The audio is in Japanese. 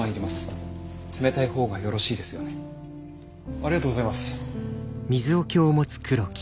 ありがとうございます。